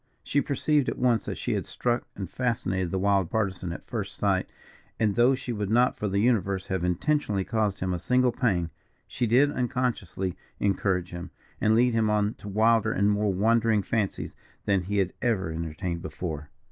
She perceived at once that she had struck and fascinated the wild Partisan at first sight, and though she would not for the universe have intentionally caused him a single pang, she did unconsciously encourage him, and lead him on to wilder and more wandering fancies than he had ever entertained before.